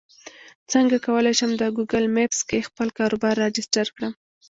څنګه کولی شم د ګوګل مېپس کې خپل کاروبار راجستر کړم